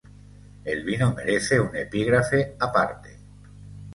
El vino merece un epígrafe aparte.